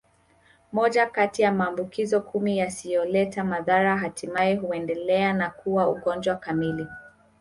Moja kati ya maambukizo kumi yasiyoleta madhara hatimaye huendelea na kuwa ugonjwa kamili